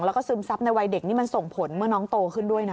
แล้วก็ซึมซับในวัยเด็กนี่มันส่งผลเมื่อน้องโตขึ้นด้วยนะ